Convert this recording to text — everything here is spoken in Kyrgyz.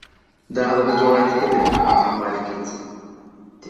Дагы бир жолу айтып кетем, Атамбаев кетсин!